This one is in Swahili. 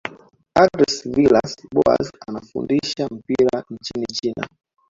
andres villas boas anafundisha mpira nchini china